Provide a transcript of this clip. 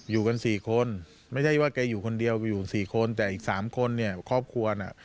อยู่กัน๔คนไม่ได้ว่าแกอยู่คนเดียวอยู่๔คนแต่อีก๓คนเนี่ยครอบครัวนะ